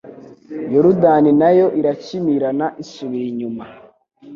Yorudani na yo irakimirana isubira inyuma